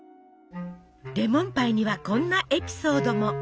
レモンパイにはこんなエピソードも。